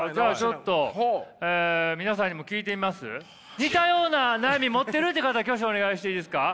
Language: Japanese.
似たような悩み持ってるって方挙手お願いしていいですか？